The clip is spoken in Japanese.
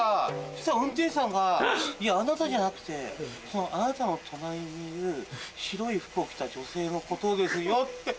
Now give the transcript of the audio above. そしたら運転手さんがいやあなたじゃなくてそのあなたの隣にいる白い服を着た女性のことですよって。